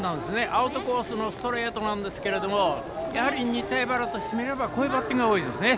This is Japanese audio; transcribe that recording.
アウトコースのストレートなんですけれどやはり、日体荏原としてみればこういうバッティングが多いですね。